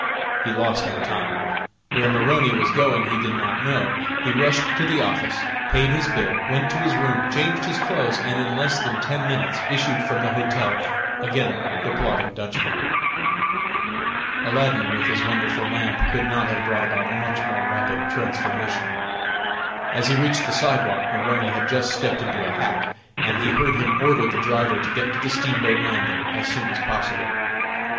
He lost no time. Where Maroney was going he did not know. He rushed to the office, paid his bill, went to his room, changed his clothes, and in less than ten minutes issued from the hotel, again the plodding Dutchman. Aladdin with his wonderful lamp, could not have brought about a much more rapid transformation. As he reached the sidewalk, Maroney had just stepped into a hack, and he heard him order the driver to get to the steamboat landing as soon as possible.